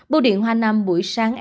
bộ điện hoa nam buổi sáng